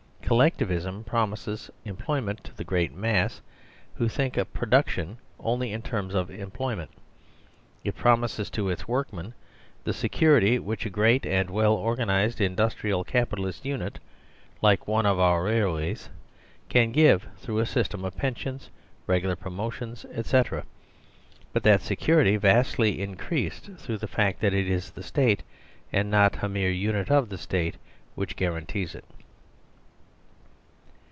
Collectivism promises employment to the great mass who think of production only in terms of employment. It promises to its workmen the secur 112 EASIEST SOLUTION ity which a great and well organised industrial Capi talist unit (like one of our railways) can give through a system of pensions, regular promotion, etc.,but that security vastly increased through the fact that it is the State and not a mere unit of the State which guarantees it.